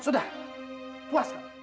sudah puas kamu